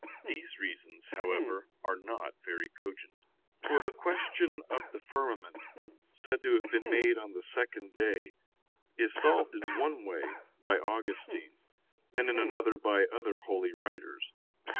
These reasons, however, are not very cogent. For the question of the firmament, said to have been made on the second day, is solved in one way by Augustine, and in another by other holy writers.